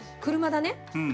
車だね。